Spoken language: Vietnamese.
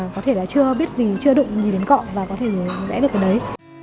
có thể là chưa biết gì chưa đụng gì đến cọ và có thể vẽ được cái đấy